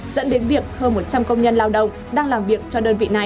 dẫn đến việc hơn một trăm linh công nhân lao động đang làm việc cho đơn vị này